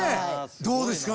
どうですか？